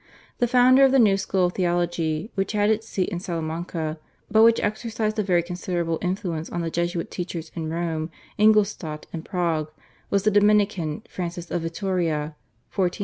The founder of the new school of theology, which had its seat in Salamanca but which exercised a very considerable influence on the Jesuit teachers in Rome, Ingolstadt, and Prague, was the Dominican, Francis of Vittoria (1480 1546).